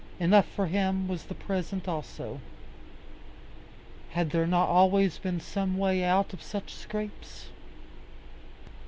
Enough for him was the present also. Had there not always been some way out of such scrapes?